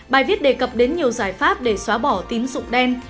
bài viết đề cập đến nhiều giải pháp để xóa bỏ tín dụng đen